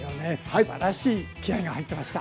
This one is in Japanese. すばらしい気合いが入ってました。